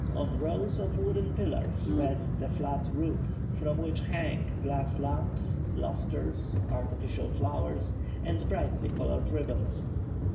On rows of wooden pillars rests a flat roof, from which hang glass lamps, lustres, artificial flowers, and brightly coloured ribbons.